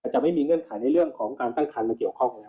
จะไม่มีเงื่อนไขในเรื่องของการตั้งคันมาเกี่ยวข้อง